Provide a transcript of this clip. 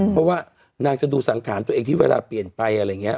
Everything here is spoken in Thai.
เพราะว่านางจะดูสังขารตัวเองที่เวลาเปลี่ยนไปอะไรอย่างนี้